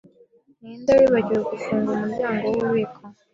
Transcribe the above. Ninde wibagiwe gufunga umuryango wububiko?